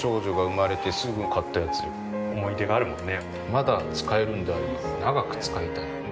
まだ使えるんであれば長く使いたい。